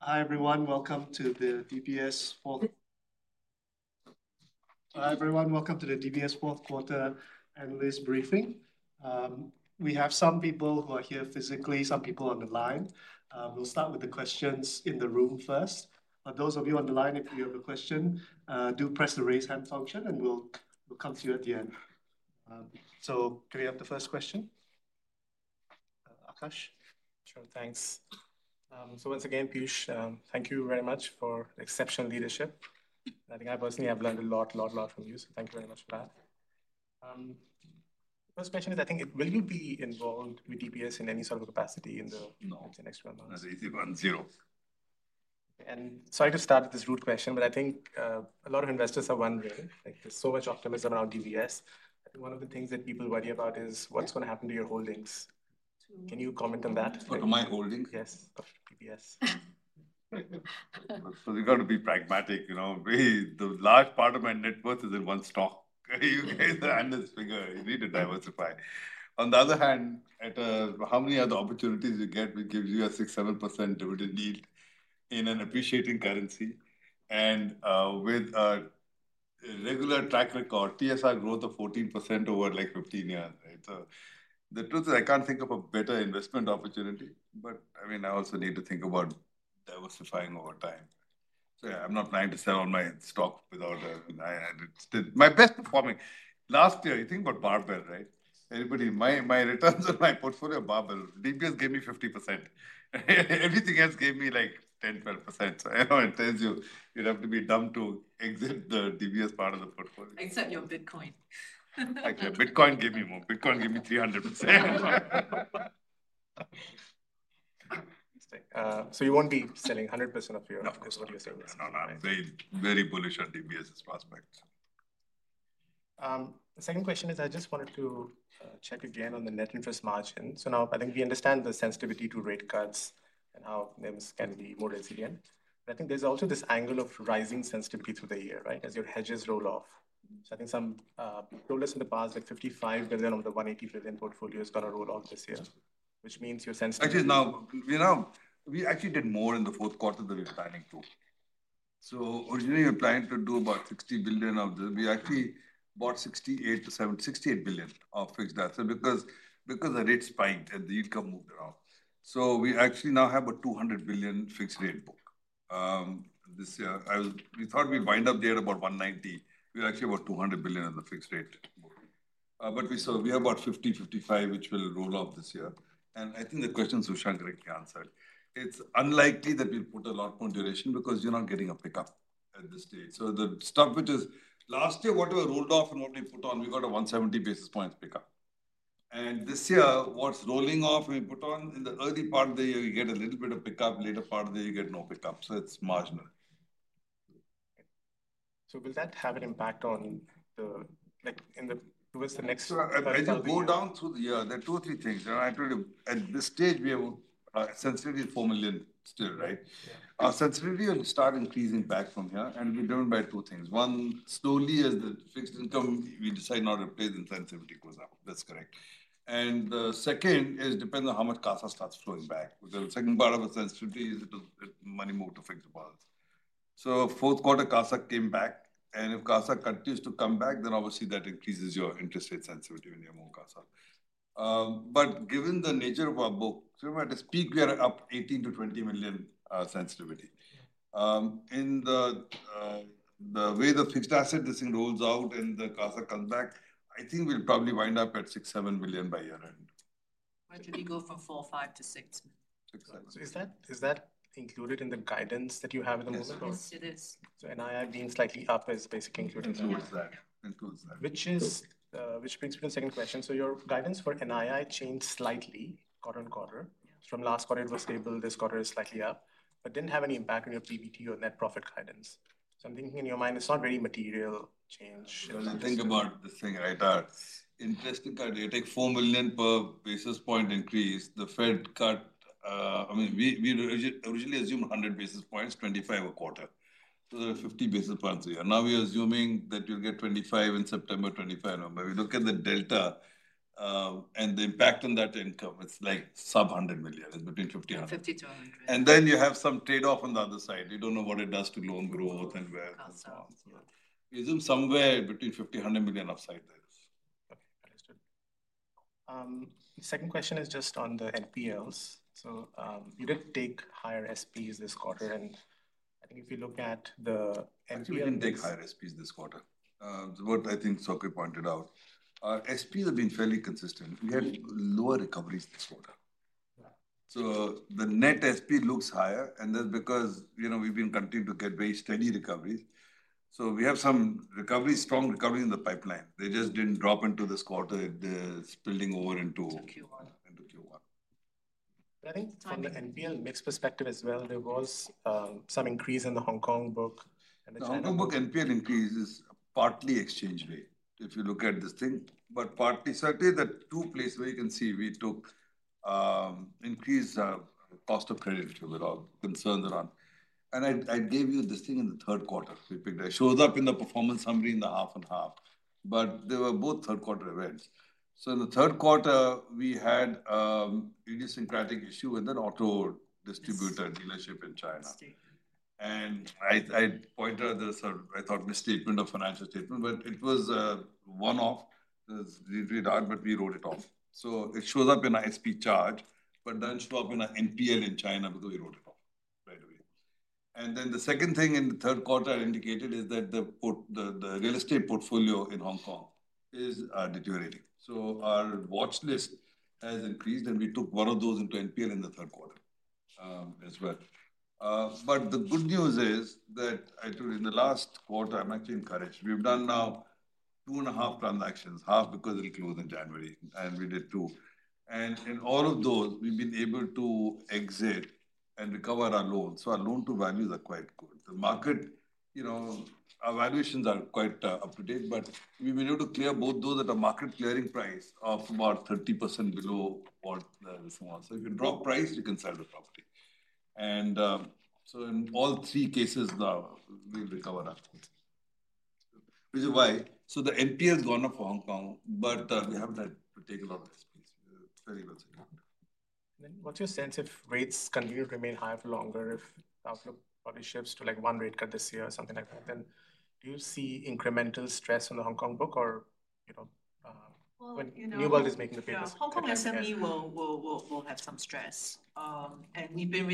Hi everyone, welcome to the DBS Fourth Quarter and Full Year Briefing. We have some people who are here physically, some people on the line. We'll start with the questions in the room first. For those of you on the line, if you have a question, please press the raise hand function and we'll come to you at the end. So, can we have the first question? Akash? Sure, thanks. So once again, Piyush, thank you very much for exceptional leadership. I think I personally have learned a lot, a lot, a lot from you, so thank you very much for that. First question is, I think, will you be involved with DBS in any sort of capacity in the next 12 months? No. As of 2021, zero. Sorry to start with this rude question, but I think a lot of investors are wondering. There's so much optimism around DBS. I think one of the things that people worry about is what's going to happen to your holdings. Can you comment on that? What are my holdings? Yes, of DBS. You got to be pragmatic. The large part of my net worth is in one stock. You guys are at this figure. You need to diversify. On the other hand, how many other opportunities you get gives you a 6%, 7% dividend yield in an appreciating currency and with a regular track record, TSR growth of 14% over like 15 years. The truth is I can't think of a better investment opportunity, but I mean, I also need to think about diversifying over time. Yeah, I'm not trying to sell all my stock without my best performing. Last year, you think about Barbell, right? My returns on my portfolio are Barbell. DBS gave me 50%. Everything else gave me like 10%, 12%. So I know it tells you you'd have to be dumb to exit the DBS part of the portfolio. Except your Bitcoin. Bitcoin gave me more. Bitcoin gave me 300%. So you won't be selling 100% of your savings? No, no, no. Very bullish on DBS's prospects. The second question is, I just wanted to check again on the net interest margin. So now I think we understand the sensitivity to rate cuts and how things can be more resilient. But I think there's also this angle of rising sensitivity through the year, right, as your hedges roll off. So I think some told us in the past that 55 billion of the 180 billion portfolio is going to roll off this year, which means your sensitivity. Actually, no. We actually did more in the fourth quarter than we were planning to. So originally, we were planning to do about 60 billion of them. We actually bought 68.7 billion of fixed assets because the rate spiked and the income moved around. So we actually now have a 200 billion fixed rate book this year. We thought we'd wind up there at about 190. We're actually about 200 billion in the fixed rate book. But we have about 50 to 55, which will roll off this year. And I think the question Su Shan correctly answered. It's unlikely that we'll put a lot more duration because you're not getting a pickup at this stage. So the stuff which is last year, whatever rolled off and what we put on, we got a 170 basis points pickup. This year, what's rolling off and we put on in the early part of the year, you get a little bit of pickup. Later part of the year, you get no pickup. It's marginal. Will that have an impact on the towards the next? Go down through the year. There are two or three things. At this stage, we have sensitivity of 4 million still, right? Sensitivity will start increasing back from here. We're driven by two things. One, slowly as the fixed income, we decide not to replace and sensitivity goes up. That's correct. The second is depends on how much CASA starts flowing back. The second part of the sensitivity is money moved to fixed deposits. So fourth quarter CASA came back. If CASA continues to come back, then obviously that increases your interest rate sensitivity when you have more CASA. But given the nature of our book, so to speak, we are up 18-20 million sensitivity. In the way the fixed income this thing rolls out and the CASA comes back, I think we'll probably wind up at 6 to 7 million by year end. Why don't we go for four, five to six? Is that included in the guidance that you have at the moment? It's to this. NII being slightly up is basically including. Includes that. Which brings me to the second question. So your guidance for NII changed slightly quarter on quarter. From last quarter, it was stable. This quarter is slightly up, but didn't have any impact on your PBT or net profit guidance. So I'm thinking in your mind, it's not very material change. Think about the thing, right? Interesting guidance. You take 4 million per basis point increase, the Fed cut I mean, we originally assumed 100 basis points, 25 a quarter. So there are 50 basis points a year. Now we're assuming that you'll get 25 in September, 25 in November. We look at the delta and the impact on that income. It's like sub 100 million. It's between 50 million and 100 million. 50 to 100. Then you have some trade-off on the other side. You don't know what it does to loan growth and where it goes on. We assume somewhere between 50 to 100 million upside there. Okay, understood. The second question is just on the NPLs. So you did take higher SPs this quarter. And I think if you look at the NPLs. We didn't take higher SPs this quarter. What I think Sok Hui pointed out, our SPs have been fairly consistent. We have lower recoveries this quarter. So the net SP looks higher. And that's because we've been continuing to get very steady recoveries. So we have some strong recovery in the pipeline. They just didn't drop into this quarter. It's building over into Q1. But I think from the NPL mix perspective as well, there was some increase in the Hong Kong book. The Hong Kong book NPL increase is partly exchange rate, if you look at this thing. But certainly, the two places where you can see we took increased cost of credit, which we're all concerned around. And I gave you this thing in the third quarter. It shows up in the performance summary in the half and half. But they were both third quarter events. So in the third quarter, we had idiosyncratic issue with an auto distributor dealership in China. And I pointed out this, I thought misstatement of financial statement, but it was one-off. It was really hard, but we wrote it off. So it shows up in an SP charge, but doesn't show up in an NPL in China because we wrote it off right away. Then the second thing in the third quarter I indicated is that the real estate portfolio in Hong Kong is deteriorating. So our watch list has increased, and we took one of those into NPL in the third quarter as well. But the good news is that in the last quarter, I'm actually encouraged. We've done now two and a half transactions, half because it closed in January, and we did two. And in all of those, we've been able to exit and recover our loans. So our loan-to-values are quite good. The market, our valuations are quite up to date, but we were able to clear both those at a market clearing price of about 30% below what this one. So if you drop price, you can sell the property. And so in all three cases, we'll recover that. Which is why the NPL has gone up for Hong Kong, but we haven't had to take a lot of SPs. It's a very good thing. What's your sense if rates continue to remain higher for longer? If outlook probably shifts to one rate cut this year or something like that, then do you see incremental stress on the Hong Kong book, or when New World is making the papers? Hong Kong SME will have some stress, and we've been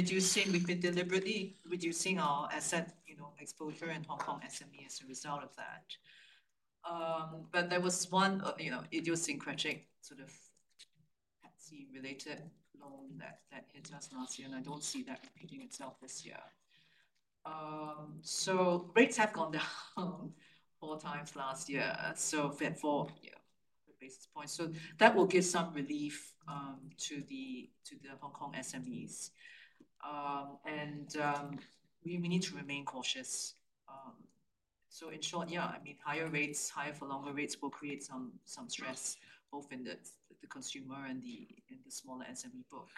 deliberately reducing our asset exposure in Hong Kong SME as a result of that, but there was one idiosyncratic sort of Pepsi-related loan that hit us last year, and I don't see that repeating itself this year, so rates have gone down four times last year, so the Fed cut 100 basis points. So that will give some relief to the Hong Kong SMEs, and we need to remain cautious, so in short, yeah, I mean, higher rates, higher for longer rates will create some stress, both in the consumer and the smaller SME book,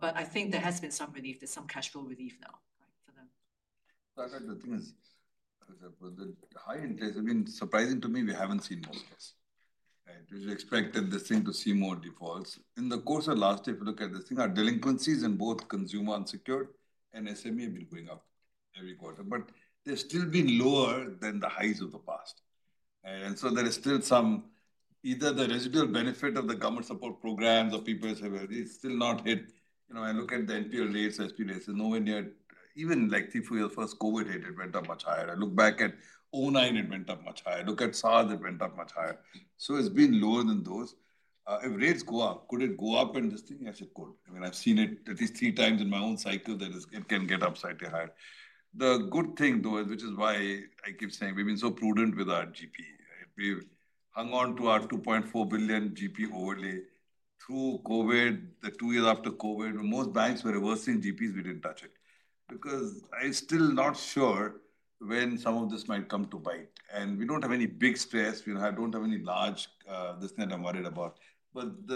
but I think there has been some relief. There's some cash flow relief now for them. I think the thing is the high interest. I mean, surprising to me, we haven't seen most cases. We expected this thing to see more defaults. In the course of last year, if you look at this thing, our delinquencies in both consumer unsecured and SME have been going up every quarter. But they've still been lower than the highs of the past. And so there is still some either the residual benefit of the government support programs or people's severity; it's still not hit. I look at the NPL rates, SP rates; there's nowhere near, even like three or four years post-COVID, it went up much higher. I look back at '09, it went up much higher. Look at SARS, it went up much higher. So it's been lower than those. If rates go up, could it go up in this thing? Yes, it could. I mean, I've seen it at least three times in my own cycle that it can get up slightly higher. The good thing, though, which is why I keep saying we've been so prudent with our GP. We've hung on to our 2.4 billion GP overlay through COVID, the two years after COVID. Most banks were reversing GPs. We didn't touch it because I'm still not sure when some of this might come to bite. And we don't have any big stress. I don't have any large this thing that I'm worried about. But at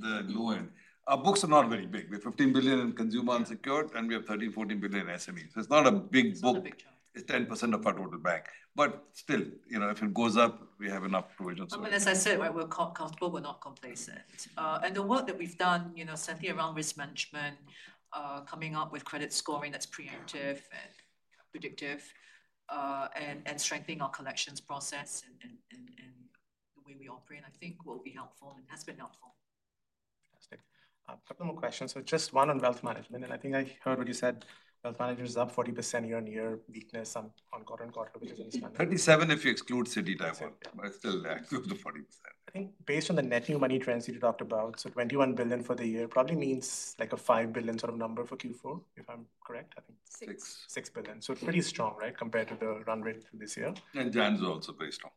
the low end, our books are not very big. We have 15 billion in consumer unsecured, and we have 13 to 14 billion in SME. So it's not a big book. It's 10% of our total bank. But still, if it goes up, we have enough provisions. As I said, we're comfortable. We're not complacent. The work that we've done, Cynthia, around risk management, coming up with credit scoring that's preemptive and predictive and strengthening our collections process and the way we operate, I think will be helpful and has been helpful. Fantastic. A couple more questions. So just one on wealth management. And I think I heard what you said. Wealth managers are up 40% year on year, weakness on quarter on quarter, which is understandable. 37 if you exclude Citi dividend, but still, that's still the 40%. I think based on the net new money trends you talked about, so S$21 billion for the year probably means like a S$5 billion sort of number for Q4, if I'm correct. 6. 6 billion. So it's pretty strong, right, compared to the run rate this year. Trends are also pretty strong.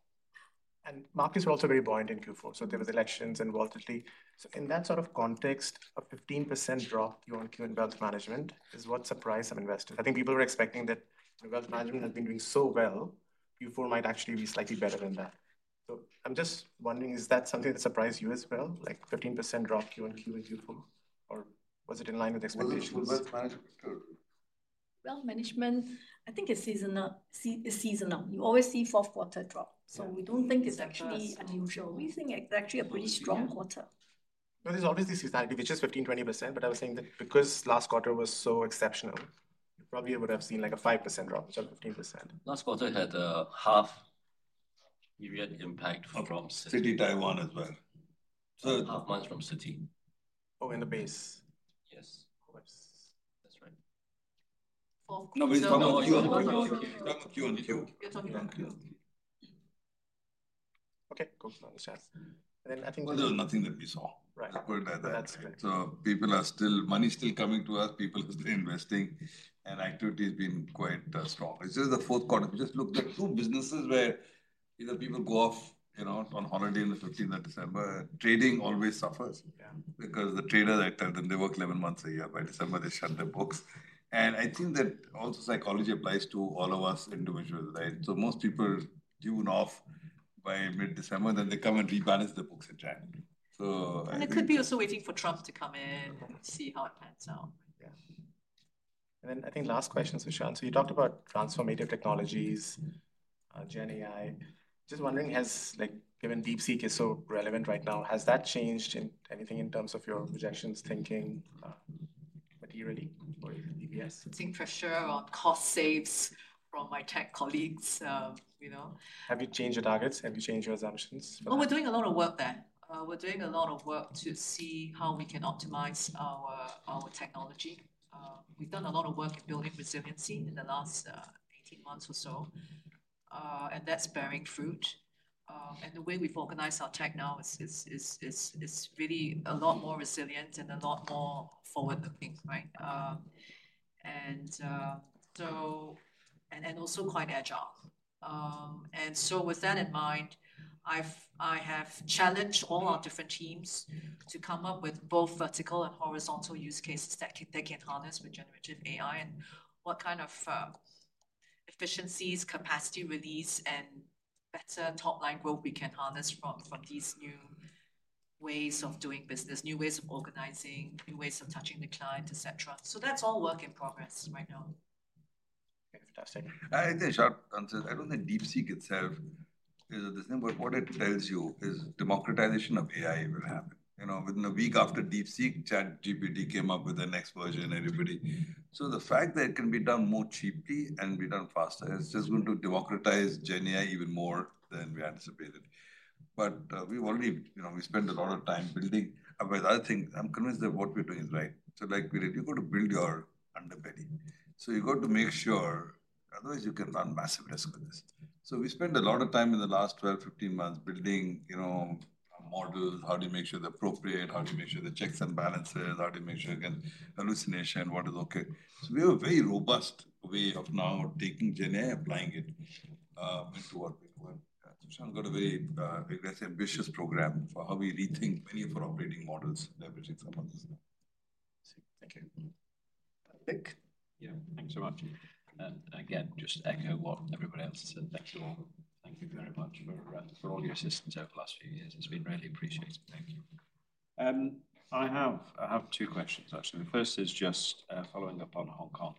And markets were also very buoyant in Q4. So there were elections and volatility. So in that sort of context, a 15% drop QoQ in wealth management is what surprised some investors. I think people were expecting that wealth management has been doing so well. Q4 might actually be slightly better than that. So I'm just wondering, is that something that surprised you as well, like 15% drop QoQ in Q4? Or was it in line with expectations? Wealth management, I think it's seasonal. You always see fourth quarter drop. So we don't think it's actually unusual. We think it's actually a pretty strong quarter. There's always this seasonality. We just 15-20%. But I was saying that because last quarter was so exceptional, you probably would have seen like a 5% drop instead of 15%. Last quarter had a half-year impact from. Citi Taiwan as well. Half months from Citi. Oh, in the base? Yes, of course. That's right. No, we're talking about Q and Q. Okay, cool. I understand. Then I think. There's nothing that we saw, so people are still, money's still coming to us. People have been investing, and activity has been quite strong. It's just the fourth quarter. Just look, there are two businesses where either people go off on holiday on the 15th of December. Trading always suffers because the trader, they work 11 months a year. By December, they shut their books, and I think that also psychology applies to all of us individuals, so most people tune off by mid-December, then they come and rebalance the books in January. It could be also waiting for Trump to come in and see how it pans out. Yeah. And then I think last questions, Sushan. So you talked about transformative technologies, GenAI. Just wondering, given DeepSeek is so relevant right now, has that changed anything in terms of your projections, thinking materially for DBS? I think for sure, cost savings from my tech colleagues. Have you changed your targets? Have you changed your assumptions? Oh, we're doing a lot of work there. We're doing a lot of work to see how we can optimize our technology. We've done a lot of work in building resiliency in the last 18 months or so, and that's bearing fruit. And the way we've organized our tech now is really a lot more resilient and a lot more forward-looking, right, and also quite agile, and so with that in mind, I have challenged all our different teams to come up with both vertical and horizontal use cases that they can harness with generative AI and what kind of efficiencies, capacity release, and better top-line growth we can harness from these new ways of doing business, new ways of organizing, new ways of touching the client, etc., so that's all work in progress right now. Okay, fantastic. I think I don't think DeepSeek itself, what it tells you is democratization of AI will happen. Within a week after DeepSeek, ChatGPT came up with the next version and everybody. So the fact that it can be done more cheaply and be done faster is just going to democratize GenAI even more than we anticipated. But we've already spent a lot of time building. I'm convinced that what we're doing is right. So you've got to build your underbelly. So you've got to make sure, otherwise you can run massive risk with this. So we spent a lot of time in the last 12, 15 months building models. How do you make sure they're appropriate? How do you make sure the checks and balances? How do you make sure you can hallucination? What is okay? So we have a very robust way of now taking GenAI, applying it to what we're doing. Sushan, we've got a very ambitious program for how we rethink many of our operating models leveraging some of this stuff. Thank you. Perfect. Yeah, thanks so much. And again, just echo what everybody else has said. Thank you all. Thank you very much for all your assistance over the last few years. It's been really appreciated. Thank you. I have two questions, actually. The first is just following up on Hong Kong.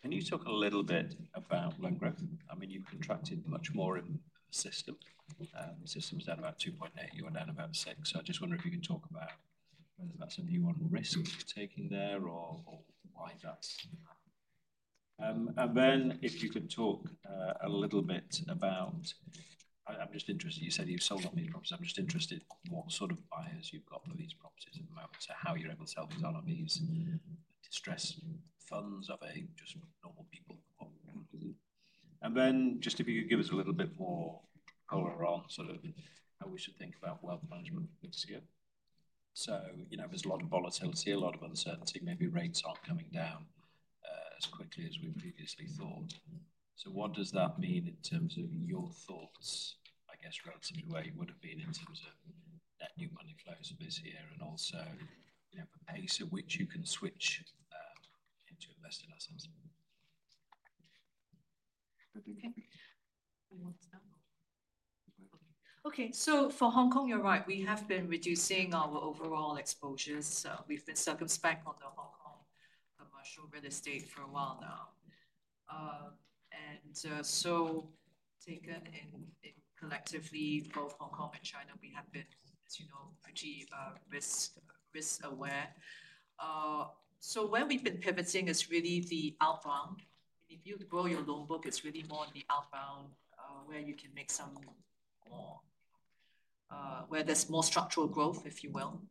Can you talk a little bit about loan growth? I mean, you've contracted much more in the system. The system's down about 2.8%. You were down about 6%. So I just wonder if you can talk about whether that's a new on-risk taking there or why that's happening. And then if you could talk a little bit about, I'm just interested, you said you've sold on these properties. I'm just interested in what sort of buyers you've got for these properties at the moment and how you're able to sell these properties to stress funds of just normal people. And then just if you could give us a little bit more color on sort of how we should think about wealth management this year. So there's a lot of volatility, a lot of uncertainty. Maybe rates aren't coming down as quickly as we previously thought. So what does that mean in terms of your thoughts, I guess, relative to where you would have been in terms of net new money flows this year and also the pace at which you can switch into investing ourselves? Okay. So for Hong Kong, you're right. We have been reducing our overall exposures. We've been circumspect on the Hong Kong commercial real estate for a while now. And so taken collectively, both Hong Kong and China, we have been, as you know, pretty risk-aware. So where we've been pivoting is really the outbound. If you grow your loan book, it's really more in the outbound where you can make some more, where there's more structural growth, if you will.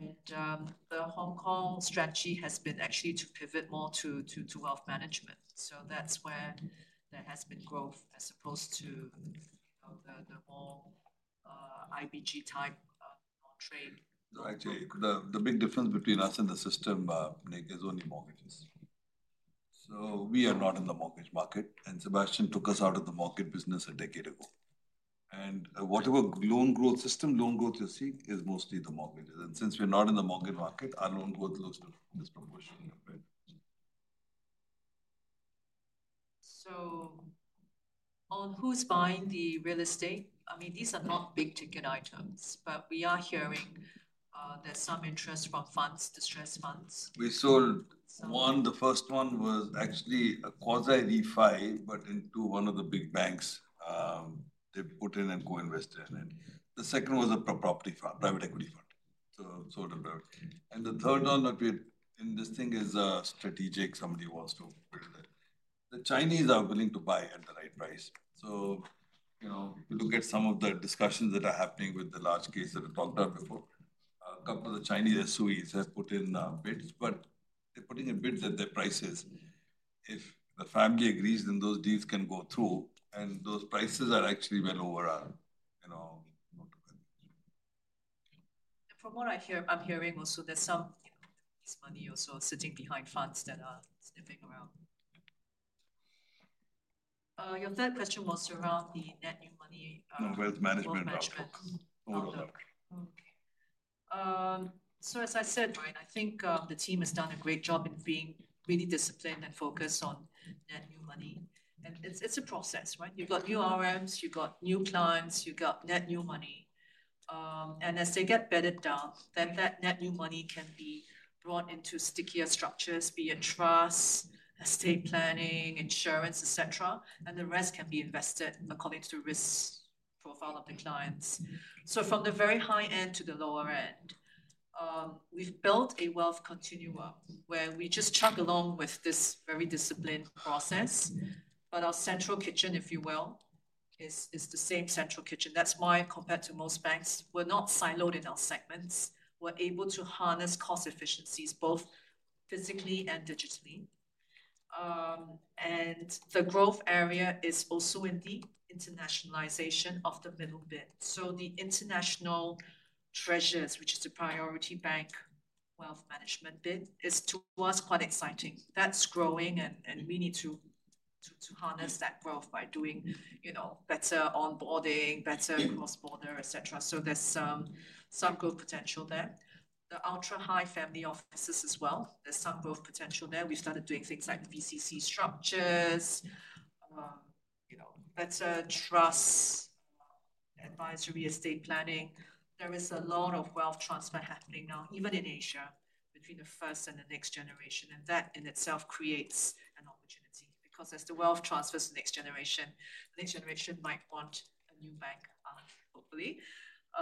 And the Hong Kong strategy has been actually to pivot more to wealth management. So that's where there has been growth as opposed to the more IBG type non-trade. The big difference between us and the system is only mortgages. So we are not in the mortgage market. And Sebastian took us out of the mortgage business a decade ago. And whatever loan growth system, loan growth you see is mostly the mortgages. And since we're not in the mortgage market, our loan growth looks disproportionate. So on who's buying the real estate, I mean, these are not big ticket items, but we are hearing there's some interest from funds, distressed funds. We sold one. The first one was actually a quasi-refi, but into one of the big banks. They put in and co-invested in it. The second was a private equity fund. So sold it. And the third one that we're in this thing is strategic. Somebody wants to build it. The Chinese are willing to buy at the right price. So you look at some of the discussions that are happening with the large case that we talked about before. A couple of the Chinese SOEs have put in bids, but they're putting in bids at their prices. If the family agrees, then those deals can go through. And those prices are actually well over our motivation. From what I'm hearing also, there's some of this money also sitting behind funds that are sniffing around. Your third question was around the net new money. Wealth management. Wealth management overall. Okay. So as I said, right, I think the team has done a great job in being really disciplined and focused on net new money. And it's a process, right? You've got new RMs, you've got new clients, you've got net new money. And as they get bedded down, then that net new money can be brought into stickier structures, be it trusts, estate planning, insurance, etc. And the rest can be invested according to the risk profile of the clients. So from the very high end to the lower end, we've built a wealth continuum where we just chug along with this very disciplined process. But our central kitchen, if you will, is the same central kitchen. That's why compared to most banks, we're not siloed in our segments. We're able to harness cost efficiencies both physically and digitally. And the growth area is also in the internationalization of the middle band, so the international treasury, which is the priority banking wealth management band, is to us quite exciting. That's growing, and we need to harness that growth by doing better onboarding, better cross-border, etc., so there's some growth potential there. The ultra-high family offices as well. There's some growth potential there. We've started doing things like VCC structures, better trusts, advisory estate planning. There is a lot of wealth transfer happening now, even in Asia, between the first and the next generation, and that in itself creates an opportunity because as the wealth transfers to the next generation, the next generation might want a new bank, hopefully.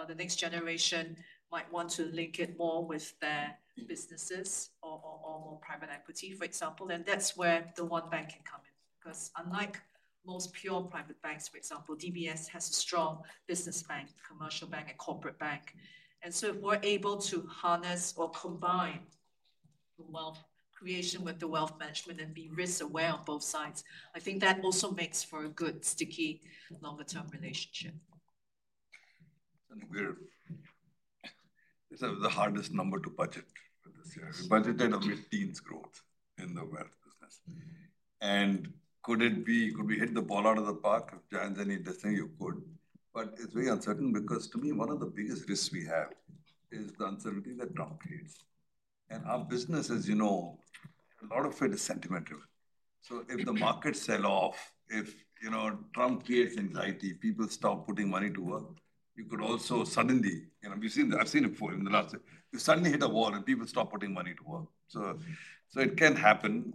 The next generation might want to link it more with their businesses or more private equity, for example, and that's where the one bank can come in. Because unlike most pure private banks, for example, DBS has a strong business bank, commercial bank, and corporate bank. And so if we're able to harness or combine the wealth creation with the wealth management and be risk-aware on both sides, I think that also makes for a good sticky longer-term relationship. It's the hardest number to budget for this year. We budgeted 15% growth in the wealth business. Could we hit the ball out of the park? If anyone's listening, you could. But it's very uncertain because to me, one of the biggest risks we have is the uncertainty that Trump creates. Our business, as you know, a lot of it is sentimental. So if the markets sell off, if Trump creates anxiety, people stop putting money to work, you could also suddenly, you've seen it before in the last, you suddenly hit a wall and people stop putting money to work. So it can happen.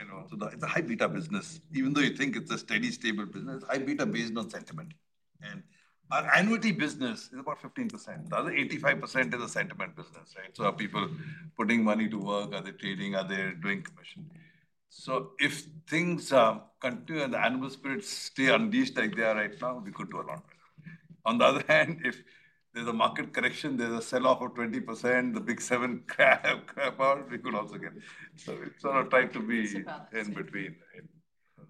It's a high beta business. Even though you think it's a steady, stable business, high beta based on sentiment. Our annuity business is about 15%. The other 85% is a sentiment business, right? So are people putting money to work? Are they trading? Are they doing commission? So if things continue and the animal spirits stay unleashed like they are right now, we could do a lot better. On the other hand, if there's a market correction, there's a sell-off of 20%, the big seven crap out, we could also get. So it's sort of trying to be in between.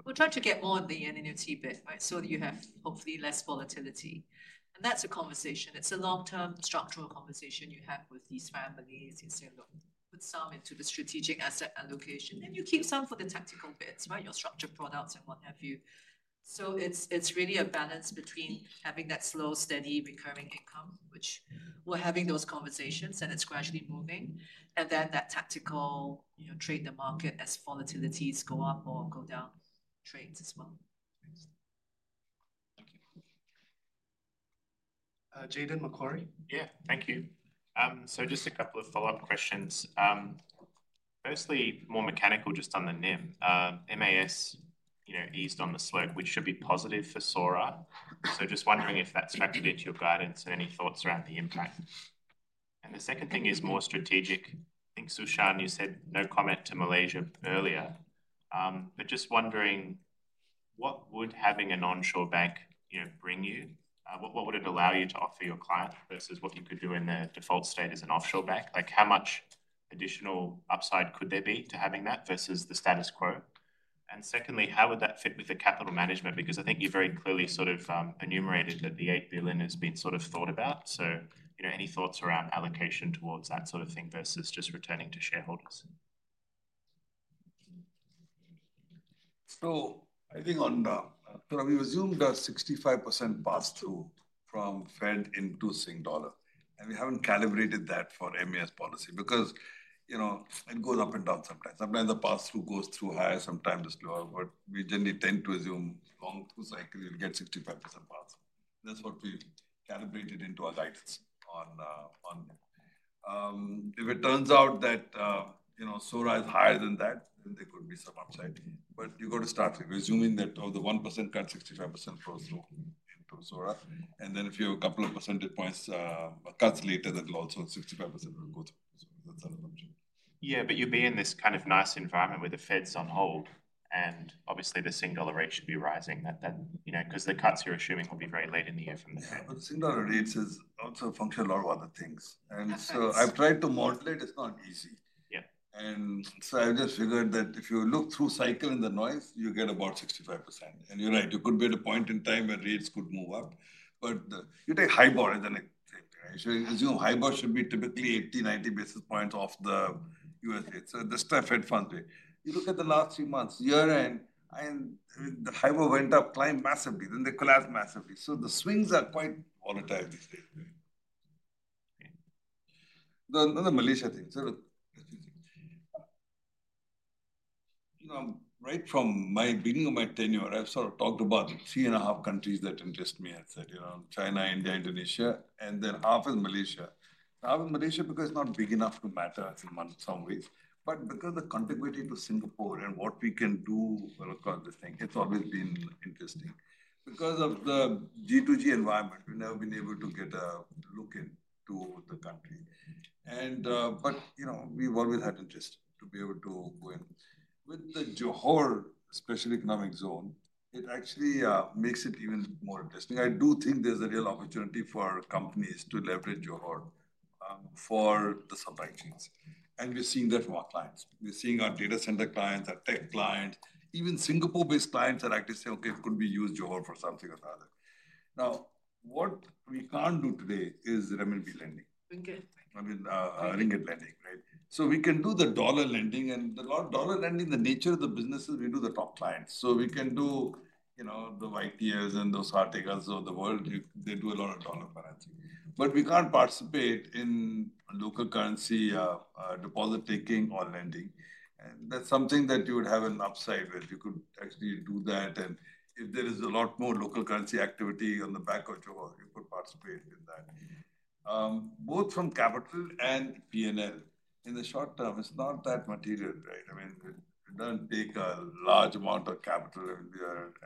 We'll try to get more in the annuity bit, right? So that you have hopefully less volatility. That's a conversation. It's a long-term structural conversation you have with these families. You say, "Look, put some into the strategic asset allocation." Then you keep some for the tactical bits, right? Your structured products and what have you. It's really a balance between having that slow, steady, recurring income, which we're having those conversations, and it's gradually moving. That tactical trade the market as volatilities go up or go down trades as well. Thank you. Jaden McCoy. Yeah, thank you. So just a couple of follow-up questions. Firstly, more mechanical just on the NIM. MAS eased on the slope, which should be positive for SORA. So just wondering if that's factored into your guidance and any thoughts around the impact. And the second thing is more strategic. I think, Su Shan, you said no comment to Malaysia earlier. But just wondering, what would having an onshore bank bring you? What would it allow you to offer your client versus what you could do in the default state as an offshore bank? How much additional upside could there be to having that versus the status quo? And secondly, how would that fit with the capital management? Because I think you very clearly sort of enumerated that the 8 billion has been sort of thought about. So any thoughts around allocation towards that sort of thing versus just returning to shareholders? So I think we assumed a 65% pass-through from the Fed into Sing Dollar. We haven't calibrated that for MAS policy because it goes up and down sometimes. Sometimes the pass-through goes through higher, sometimes it's lower. We generally tend to assume long-term cycle, you'll get 65% pass-through. That's what we calibrated into our guidance on. If it turns out that SORA is higher than that, then there could be some upside. You've got to start with assuming that of the 1% cut, 65% flows through into SORA. Then if you have a couple of percentage points cuts later, then also 65% will go through. That's another option. Yeah, but you'll be in this kind of nice environment where the Fed's on hold, and obviously, the Sing Dollar rate should be rising because the cuts you're assuming will be very late in the year from there. But Sing Dollar rates also function a lot of other things. So I've tried to modulate it. It's not easy. So I've just figured that if you look through cycle in the noise, you get about 65%. You're right. You could be at a point in time where rates could move up. But you take HIBOR. I assume HIBOR should be typically 80, 90 basis points off the US rate. So this is the Fed fund rate. You look at the last three months, year-end, and the HIBOR went up, climbed massively. Then they collapsed massively. So the swings are quite volatile these days. Another Malaysia thing. Right from my beginning of my tenure, I've sort of talked about three and a half countries that interest me. I said China, India, Indonesia, and then half is Malaysia. Half is Malaysia because it's not big enough to matter in some ways, but because of the contiguity to Singapore and what we can do across the thing, it's always been interesting. Because of the G2G environment, we've never been able to get a look into the country, but we've always had interest to be able to go in. With the Johor Special Economic Zone, it actually makes it even more interesting. I do think there's a real opportunity for companies to leverage Johor for the supply chains, and we're seeing that from our clients. We're seeing our data center clients, our tech clients, even Singapore-based clients are actually saying, "Okay, could we use Johor for something or the other?" Now, what we can't do today is ringgit lending. I mean, ringgit lending, right? so we can do the dollar lending. The dollar lending, the nature of the businesses, we do the top clients. So we can do the YTLs and those sorts of the world. They do a lot of dollar currency. But we can't participate in local currency deposit taking or lending. And that's something that you would have an upside where you could actually do that. And if there is a lot more local currency activity on the back of Johor, you could participate in that. Both from capital and P&L. In the short term, it's not that material, right? I mean, we don't take a large amount of capital.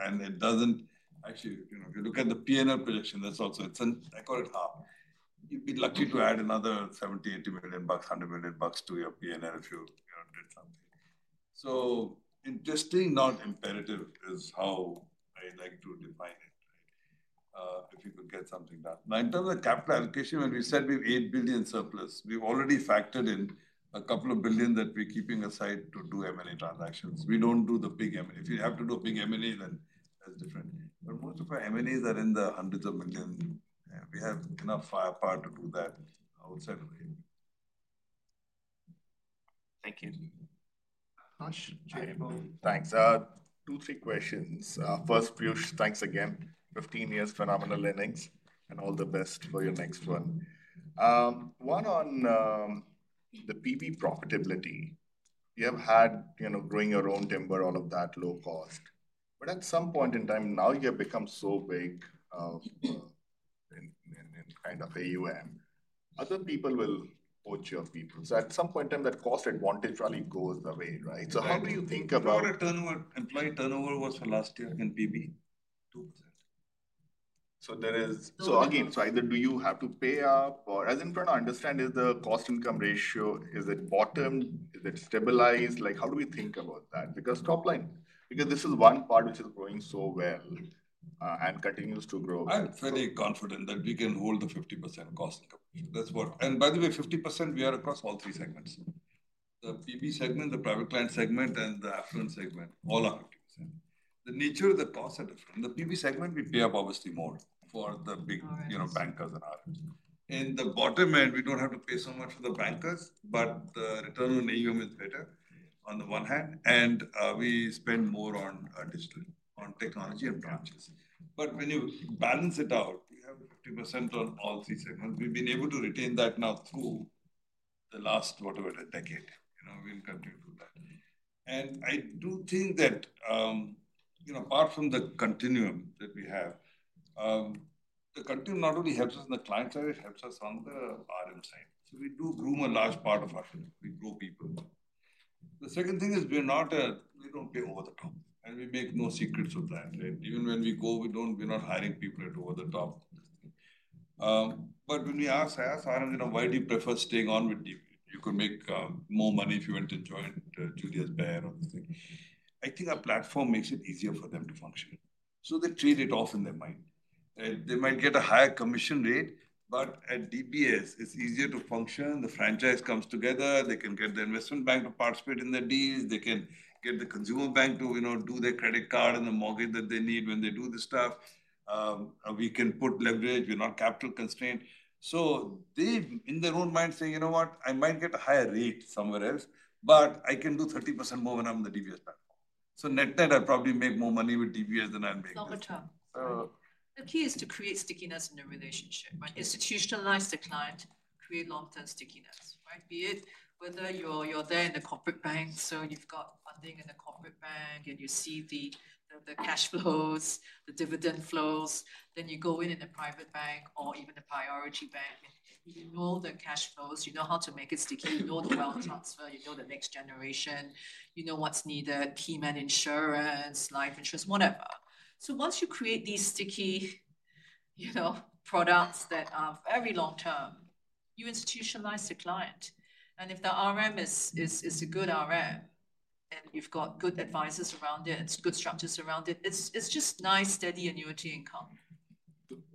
And it doesn't actually, if you look at the P&L projection, that's also, I call it half. You'd be lucky to add another 70 to 80 million bucks, 100 million bucks to your P&L if you did something. So interesting, not imperative is how I like to define it, right? If you could get something done. Now, in terms of capital allocation, when we said we have 8 billion surplus, we've already factored in a couple of billion that we're keeping aside to do M&A transactions. We don't do the big M&A. If you have to do a big M&A, then that's different. But most of our M&As are in the hundreds of millions. We have enough firepower to do that outside of the. Thank you. Thanks. Two or three questions. First, Piyush, thanks again. 15 years, phenomenal earnings and all the best for your next one. One on the PB profitability. You have had growing your own timber, all of that low cost. But at some point in time, now you have become so big in kind of AUM. Other people will poach your people. So at some point in time, that cost advantage probably goes away, right? So how do you think about your employee turnover was for last year in PB? So again, so either do you have to pay up or as in trying to understand is the cost-income ratio, is it bottomed? Is it stabilized? How do we think about that? Because top line, because this is one part which is growing so well and continues to grow. I'm fairly confident that we can hold the 50% cost, and by the way, 50%, we are across all three segments. The PB segment, the private client segment, and the affluent segment, all are 50%. The nature of the costs are different. The PB segment, we pay up obviously more for the big bankers and others. In the bottom end, we don't have to pay so much for the bankers, but the return on AUM is better on the one hand, and we spend more on digital, on technology and branches. But when you balance it out, we have 50% on all three segments. We've been able to retain that now through the last, whatever, decade. We'll continue to do that, and I do think that apart from the continuum that we have, the continuum not only helps us on the client side, it helps us on the RM side. So we do groom a large part of our team. We grow people. The second thing is we're not, we don't pay over the top. And we make no secrets of that. Even when we go, we're not hiring people at over the top. But when we ask Sarah, why do you prefer staying on with DBS? You could make more money if you went to join Julius Baer or something. I think our platform makes it easier for them to function. So they trade it off in their mind. They might get a higher commission rate, but at DBS, it's easier to function. The franchise comes together. They can get the investment bank to participate in their deals. They can get the consumer bank to do their credit card and the mortgage that they need when they do this stuff. We can put leverage. We're not capital constrained. So they, in their own mind, say, "You know what? I might get a higher rate somewhere else, but I can do 30% more when I'm on the DBS platform." So net net, I probably make more money with DBS than I make with. The key is to create stickiness in the relationship, right? Institutionalize the client, create long-term stickiness, right? Be it whether you're there in the corporate bank, so you've got funding in the corporate bank and you see the cash flows, the dividend flows, then you go in in a private bank or even a priority bank. You know the cash flows. You know how to make it sticky. You know the wealth transfer. You know the next generation. You know what's needed: Keyman insurance, life insurance, whatever. So once you create these sticky products that are very long-term, you institutionalize the client. And if the RM is a good RM and you've got good advisors around it, it's good structures around it, it's just nice, steady annuity income.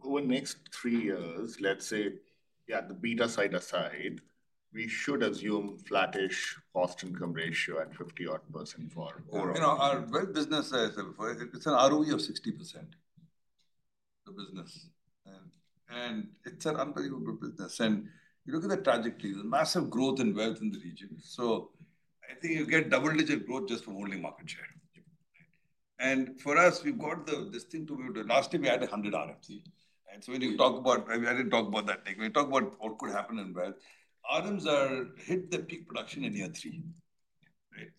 Over the next three years, let's say, yeah, the beta side aside, we should assume flattish cost-income ratio at 50-odd% for. Our business, it's an ROE of 60%, the business, and it's an unbelievable business. You look at the trajectories, massive growth in wealth in the region. I think you get double-digit growth just from holding market share. For us, we've got this thing to be able to last year, we had 100 RMC. When you talk about what could happen in wealth, RMs hit their peak production in year three.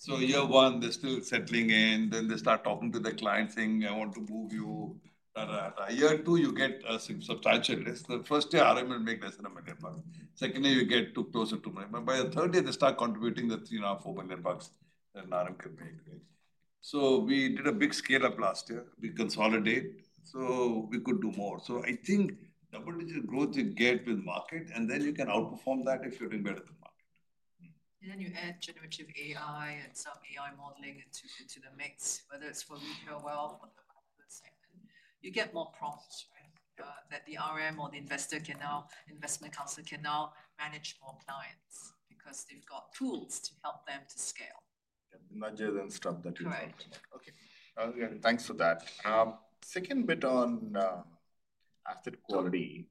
Year one, they're still settling in. Then they start talking to the client saying, "I want to move you." Year two, you get substantial risk. The first year, RM will make less than 1 million bucks. Second year, you get too close to a 2 million bucks. By the third year, they start contributing the 3.5 to 4 million bucks that an RM can make. So we did a big scale-up last year. We consolidated. So we could do more. So I think double-digit growth you get with market, and then you can outperform that if you're doing better than market. And then you add generative AI and some AI modeling into the mix, whether it's for retail wealth or the private sector. You get more promise, right? That the RM or the investor can now, investment counselor can now manage more clients because they've got tools to help them to scale. Imagine and stuff that you talked about. Okay. Thanks for that. Second bit on asset quality.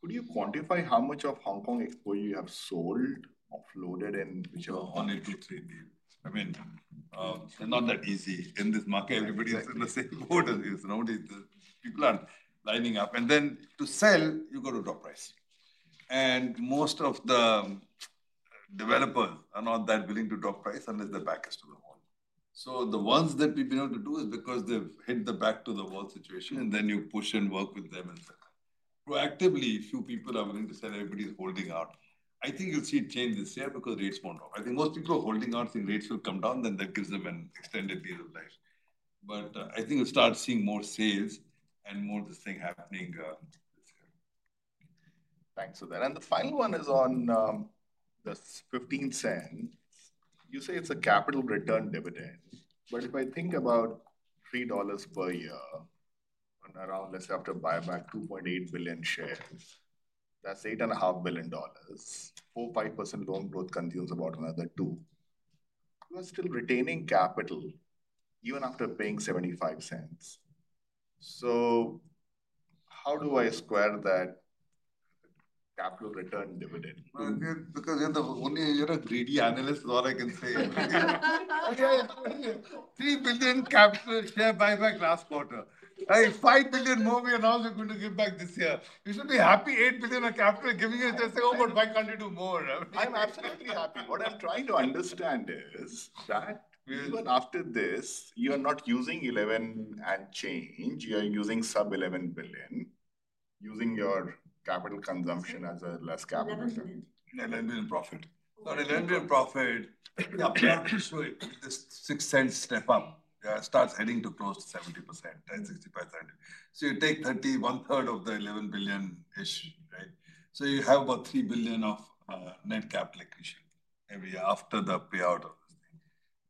Could you quantify how much of Hong Kong exposure you have sold, offloaded, and which are only two, three deals. I mean, they're not that easy in this market. Everybody is in the same boat as you. People aren't lining up, and then to sell, you got to drop price. And most of the developers are not that willing to drop price unless they're back against the wall, so the ones that we've been able to do is because they've hit the back-against-the-wall situation, and then you push and work with them and sell. Proactively, few people are willing to sell. Everybody's holding out. I think you'll see change this year because rates won't drop. I think most people are holding out saying rates will come down, then that gives them an extended lease of life, but I think you'll start seeing more sales and more of this thing happening this year. Thanks for that. And the final one is on the 15 cents. You say it's a capital return dividend. But if I think about $3 per year on around, let's say, after buyback, 2.8 billion shares, that's $8.5 billion. 4%-5% loan growth consumes about another 2. You are still retaining capital even after paying 75 cents. So how do I square that capital return dividend? Because you're the only, you're a greedy analyst, is all I can say. 3 billion capital share buyback last quarter. 5 billion more we are now going to give back this year. You should be happy 8 billion of capital giving you. They say, "Oh, but why can't you do more? I'm absolutely happy. What I'm trying to understand is that after this, you're not using 11 and change. You're using sub-11 billion, using your capital consumption as a less capital. S$11 billion profit. So S$11 billion profit, you have to pursue this S$0.06 step up. It starts heading to close to 70%, S$0.65. So you take 30%, one-third of the S$11 billion is, you right? So you have about S$3 billion of net capital accretion every year after the payout of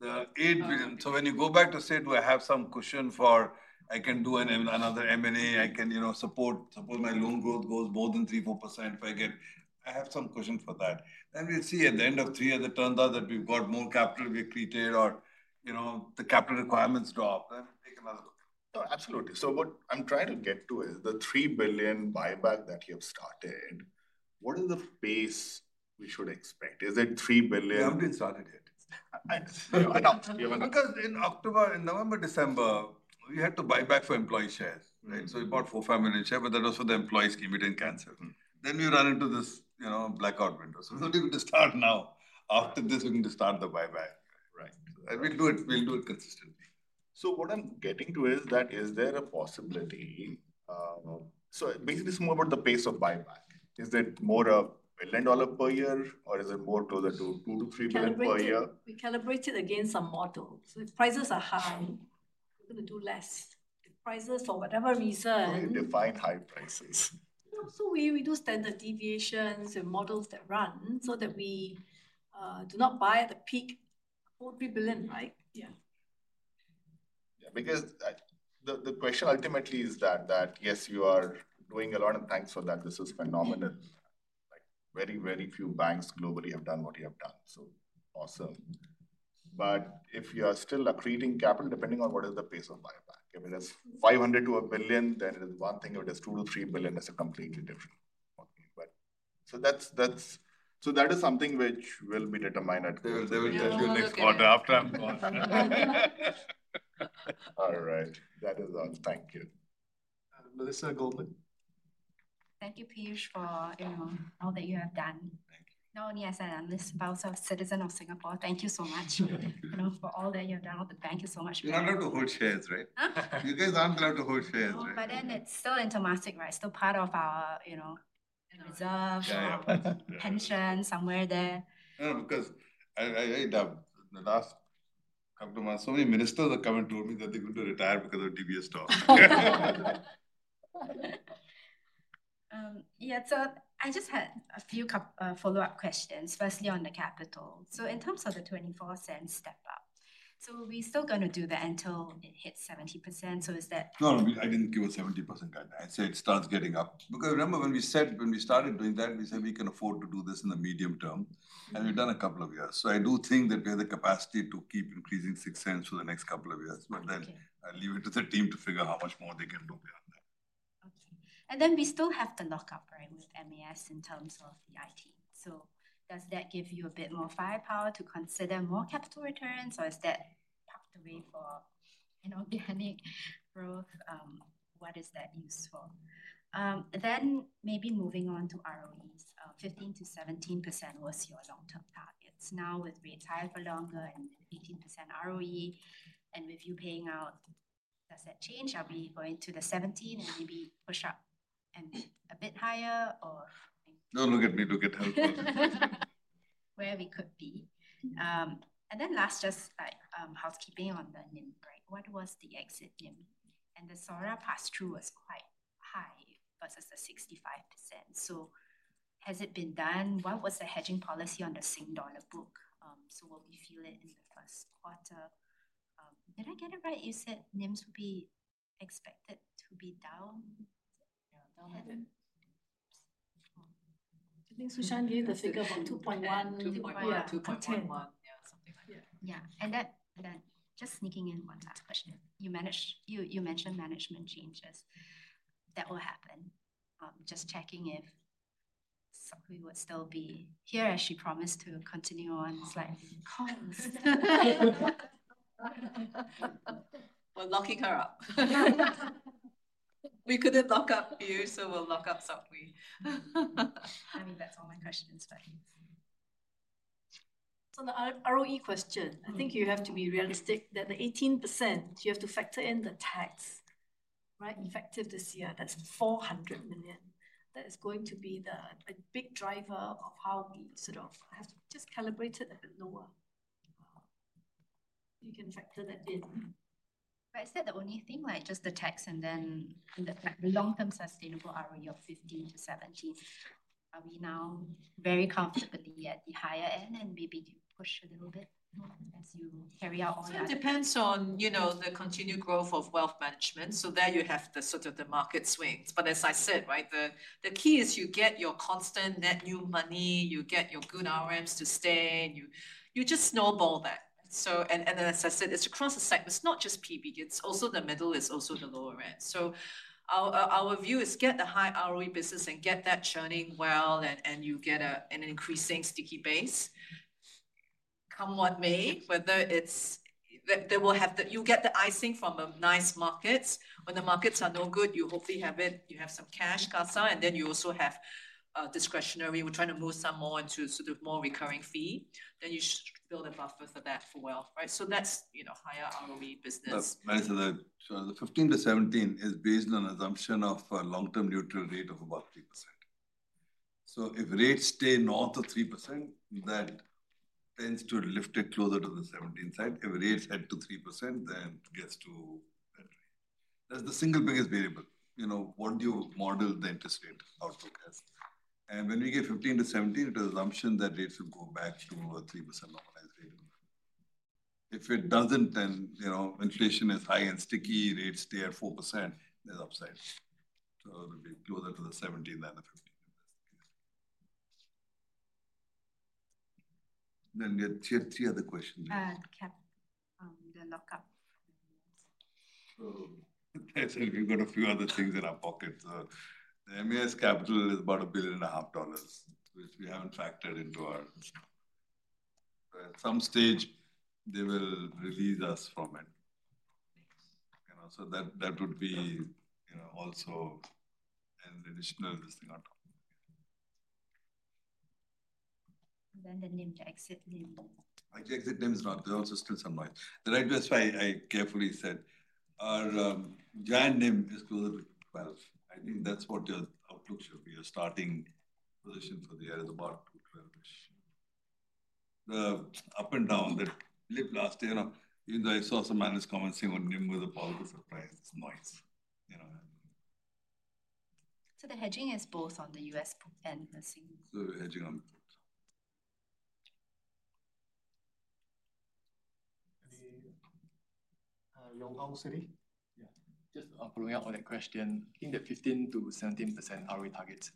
the S$8 billion. So when you go back to say, "Do I have some cushion so I can do another M&A? I can support my loan growth goes more than 3%-4% if I have some cushion for that." Then we'll see at the end of three years it turns out that we've got more capital than we accreted or the capital requirements drop. Then we take another look. Absolutely. So what I'm trying to get to is the three billion buyback that you have started. What is the pace we should expect? Is it three billion? We haven't even started yet. Because in October, in November, December, we had to buy back for employee shares, right, so we bought 4-5 million shares, but that was for the employee scheme. We didn't cancel, then we run into this blackout window, so we need to start now. After this, we need to start the buyback, right, and we'll do it consistently. So what I'm getting to is, is there a possibility? So basically, it's more about the pace of buyback. Is it more of a 1 million dollar per year, or is it more closer to 2 million to 3 million per year? We calibrated against some models. If prices are high, we're going to do less. If prices for whatever reason. Define high prices. So we do standard deviations and models that run so that we do not buy at the peak. S$4.3 billion, right? Yeah. Yeah. Because the question ultimately is that, yes, you are doing a lot of things for that. This is phenomenal. Very, very few banks globally have done what you have done. So awesome. But if you are still accreting capital, depending on what is the pace of buyback, if it is 500 to a billion, then it is one thing. If it is 2 to 3 billion, it's a completely different. So that is something which will be determined at. They will tell you next quarter after I'm gone. All right. That is all. Thank you. Melissa Goldman. Thank you, Piyush, for all that you have done. Thank you. No, and yes, and Liz Bowser of Citi in Singapore, thank you so much for all that you have done. Thank you so much. You're not allowed to hold shares, right? You guys aren't allowed to hold shares. But then it's still in domestic, right? It's still part of our reserves, pensions, somewhere there. Because I read the last couple of months, so many ministers have come and told me that they're going to retire because of DBS stock. Yeah. So I just had a few follow-up questions, firstly on the capital. So in terms of the S$0.24 step up, so we're still going to do that until it hits 70%. So is that? No, I didn't give a 70% guideline. I said it starts getting up. Because remember when we said when we started doing that, we said we can afford to do this in the medium term. We've done a couple of years. I do think that we have the capacity to keep increasing 0.06 for the next couple of years. Then I'll leave it to the team to figure out how much more they can do beyond that. And then we still have to lock up, right, with MAS in terms of the IT. So does that give you a bit more firepower to consider more capital returns? Or is that tucked away for an organic growth? What is that used for? Then maybe moving on to ROEs, 15%-17% was your long-term target. So now with rates higher for longer and 18% ROE, and with you paying out, does that change? Are we going to the 17 and maybe push up and a bit higher or? Don't look at me. Look at her. Where we could be. And then last, just housekeeping on the NIM, right? What was the exit NIM? And the SORA pass-through was quite high versus the 65%. So has it been done? What was the hedging policy on the Sing dollar book? So what we feel in the first quarter. Did I get it right? You said NIMs would be expected to be down? I think Sushan gave the figure of 2.1. 2.1, 2.1, yeah, something like that. Yeah, and then just sneaking in one last question. You mentioned management changes. That will happen. Just checking if we would still be here as she promised to continue on slightly close? We're locking her up. We couldn't lock up you, so we'll lock up Sophie. I mean, that's all my questions, but so the ROE question, I think you have to be realistic that the 18%, you have to factor in the tax, right? Effective this year, that's 400 million. That is going to be the big driver of how we sort of have to just calibrate it a bit lower. You can factor that in, but is that the only thing, like just the tax and then the long-term sustainable ROE of 15%-17%? Are we now very comfortably at the higher end and maybe push a little bit as you carry out all that? It depends on the continued growth of wealth management. So there you have sort of the market swings. But as I said, right, the key is you get your constant net new money. You get your good RMs to stay. You just snowball that. And as I said, it's across the segment. It's not just PB. It's also the middle. It's also the lower end. So our view is get the high ROE business and get that churning well and you get an increasing sticky base. Come what may, whether it's that you'll get the icing from a nice market. When the markets are no good, you hopefully have it. You have some cash, CASA, and then you also have discretionary. We're trying to move some more into sort of more recurring fee. Then you should build a buffer for that, well, right? So that's higher ROE business. So the 15%-17% is based on an assumption of a long-term neutral rate of about 3%. So if rates stay north of 3%, that tends to lift it closer to the 17% side. If rates head to 3%, then it gets to that rate. That's the single biggest variable. What do you model the interest rate outlook as? And when we get 15%-17%, it is an assumption that rates will go back to a 3% normalized rate. If it doesn't, then inflation is high and sticky. Rates stay at 4%. There's upside. So it'll be closer to the 17% than the 15%. Then we had three other questions. The lockup. So I said we've got a few other things in our pocket. So the MAS capital is about $1.5 billion, which we haven't factored into our at some stage, they will release us from it. So that would be also an additional thing on top of it. The NIM to exit NIM. Actually, the exit NIM is not. There's also still some noise. The right way, I carefully said, our guidance NIM is closer to 212. I think that's what your outlook should be. Your starting position for the year is about 212-ish. The ups and downs that we lived last year, even though I saw some analysts commenting on NIM with a positive surprise, it's noise. So the hedging is both on the U.S. and the Sing. So hedging on both. Yong Hong, City? Yeah. Just following up on that question. I think the 15%-17% ROE targets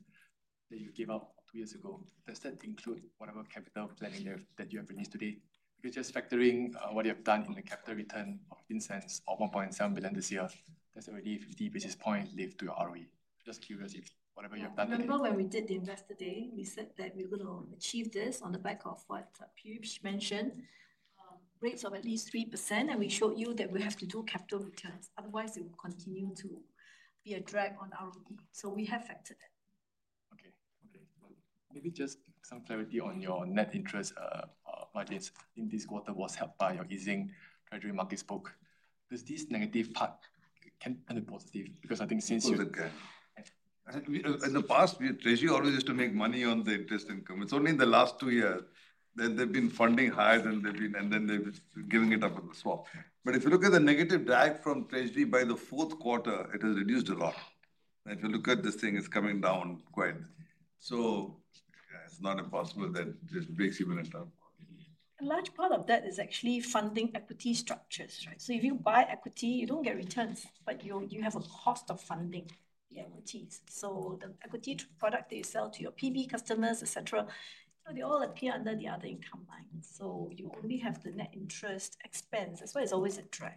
that you gave out two years ago, does that include whatever capital planning that you have released today? Because just factoring what you have done in the capital return of SGD 0.15 or 1.7 billion this year, that's already 50 basis points left to your ROE. Just curious if whatever you have done today. Remember when we did the investor day, we said that we were going to achieve this on the back of what Piyush mentioned, rates of at least 3%, and we showed you that we have to do capital returns. Otherwise, it will continue to be a drag on ROE. We have factored that. Maybe just some clarity on your net interest margins in this quarter was helped by your easing Treasury markets book. Does this negative part can be positive? Because I think since you. In the past, Treasury always used to make money on the interest income. It's only in the last two years that they've been funding higher than they've been, and then they've been giving it up on the swap, but if you look at the negative drag from Treasury by the fourth quarter, it has reduced a lot, and if you look at this thing, it's coming down quite, so it's not impossible that this breaks even in terms of. A large part of that is actually funding equity structures, right? So if you buy equity, you don't get returns, but you have a cost of funding the equities. So the equity product that you sell to your PB customers, etc., they all appear under the other income line. So you only have the net interest expense. That's why it's always a drag.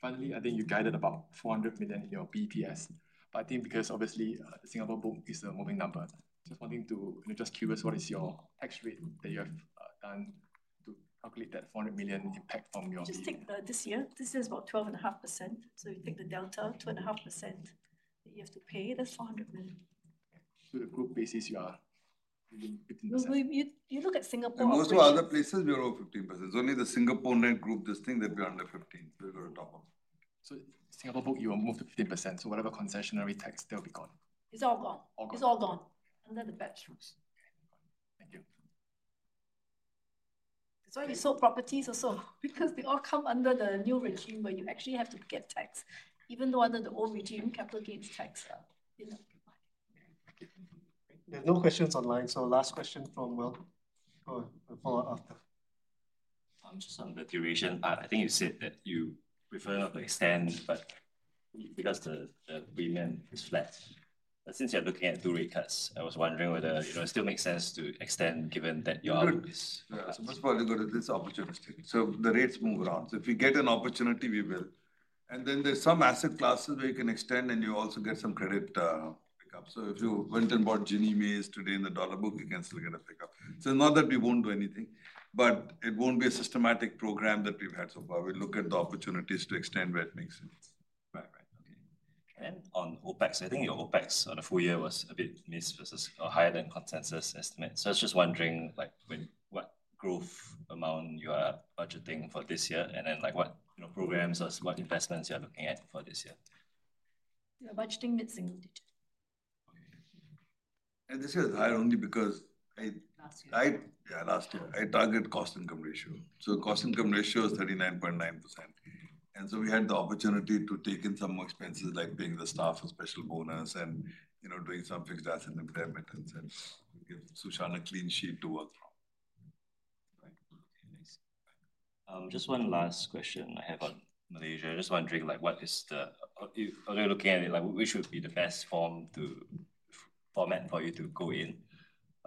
Finally, I think you guided about 400 million in your BPS. But I think because obviously the Singapore book is a moving number, just curious what is your tax rate that you have done to calculate that 400 million impact from your BPS? Just take this year. This year is about 12.5%. So if you take the delta, 2.5% that you have to pay, that's 400 million. To the group basis, you are 15%. You look at Singapore. Most of other places, we are over 15%. It's only the Singapore net group, this thing, that we are under 15%. We're going to top up. Singapore book, you will move to 15%. Whatever concessionary tax, they'll be gone. It's all gone. It's all gone. Under the badge. Thank you. That's why we sold properties also. Because they all come under the new regime where you actually have to get tax. Even though under the old regime, capital gains tax is not provided. There's no questions online, so last question from William. Go ahead. Go after. I'm just on the duration part. I think you said that you prefer not to extend, but because the agreement is flat. But since you're looking at two rate cuts, I was wondering whether it still makes sense to extend given that your ROE is? So first of all, look at this opportunity. So the rates move around. So if we get an opportunity, we will. And then there's some asset classes where you can extend and you also get some credit pickup. So if you went and bought Ginnie Mae today in the dollar book, you can still get a pickup. So not that we won't do anything, but it won't be a systematic program that we've had so far. We'll look at the opportunities to extend where it makes sense. And on OpEx, I think your OpEx on a full year was a bit missed versus a higher than consensus estimate. So I was just wondering what growth amount you are budgeting for this year and then what programs or what investments you are looking at for this year? We're budgeting mid-single digit. This year is high only because I. Last year. Yeah, last year I targeted cost-income ratio. The cost-income ratio is 39.9%. We had the opportunity to take in some more expenses like paying the staff a special bonus and doing some fixed asset improvement and give Su Shan a clean sheet to work from. Just one last question I have on Malaysia. I'm just wondering what is the best if you're looking at it, which would be the best form to enter for you to go in?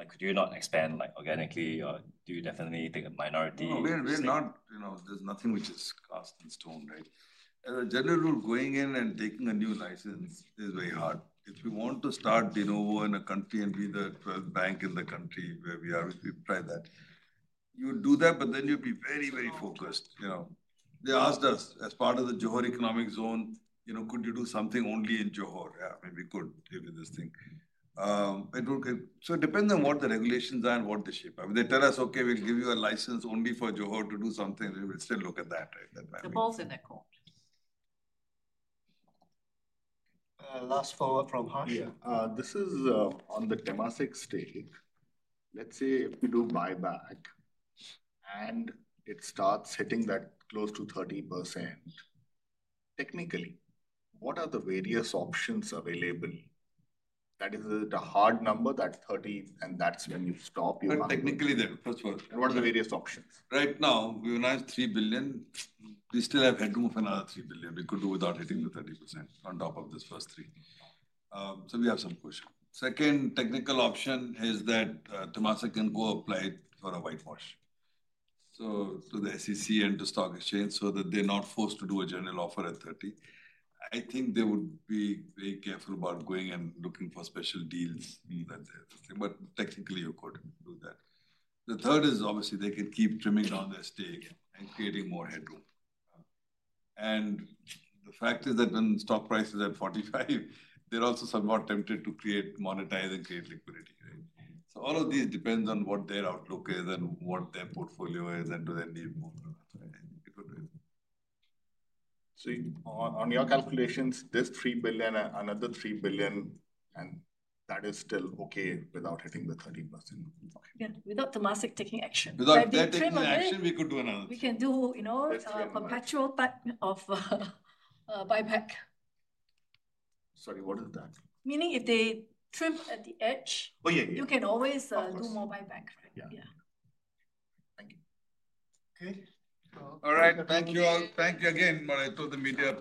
Could you not expand organically or do you definitely take a minority? We're not. There's nothing which is cast in stone, right? As a general rule, going in and taking a new license is very hard. If you want to start de novo in a country and be the 12th bank in the country where we are, we try that. You would do that, but then you'd be very, very focused. They asked us as part of the Johor Economic Zone, could you do something only in Johor? Yeah, maybe we could do this thing. So it depends on what the regulations are and what the shape are. If they tell us, "Okay, we'll give you a license only for Johor to do something," we'll still look at that. They're both in the court. Last follow-up from Harsh. Yeah. This is on the Temasek stake. Let's say if we do buyback and it starts hitting that close to 30%, technically, what are the various options available? That is a hard number, that 30, and that's when you stop your market. Technically, the first one. What are the various options? Right now, we have 3 billion. We still have headroom of another 3 billion. We could do without hitting the 30% on top of this first three. So we have some push. Second technical option is that Temasek can go apply for a whitewash to the SEC and to stock exchange so that they're not forced to do a general offer at 30. I think they would be very careful about going and looking for special deals. But technically, you could do that. The third is obviously they can keep trimming down their stake and creating more headroom. And the fact is that when stock prices are at 45, they're also somewhat tempted to create monetize and create liquidity, right? So all of these depends on what their outlook is and what their portfolio is and do they need more? So, on your calculations, this 3 billion, another 3 billion, and that is still okay without hitting the 30%? Yeah, without Temasek taking action. Without them taking action, we could do another. We can do a perpetual type of buyback. Sorry, what is that? Meaning if they trim at the edge, you can always do more buyback, right? Yeah. Thank you. All right. Thank you all. Thank you again to the media.